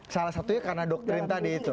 salah satunya karena doktrin tadi itu